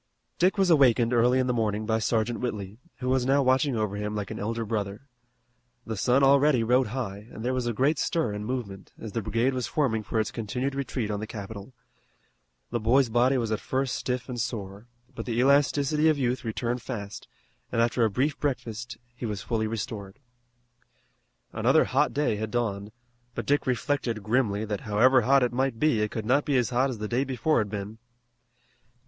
Dick was awakened early in the morning by Sergeant Whitley, who was now watching over him like an elder brother. The sun already rode high and there was a great stir and movement, as the brigade was forming for its continued retreat on the capital. The boy's body was at first stiff and sore, but the elasticity of youth returned fast, and after a brief breakfast he was fully restored. Another hot day had dawned, but Dick reflected grimly that however hot it might be it could not be as hot as the day before had been.